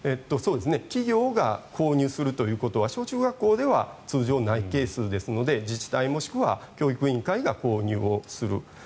企業が購入するということは小中学校では通常、ないケースですので自治体もしくは教育委員会が購入をする。